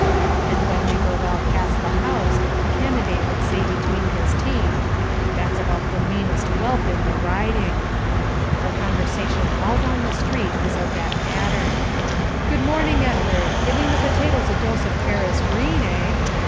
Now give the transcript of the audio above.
And when we were well past the house the candidate would say between his teeth "That's about the meanest whelp in the riding." Our conversation all down the street was of that pattern. "Good morning, Edward! Giving the potatoes a dose of Paris green, eh?"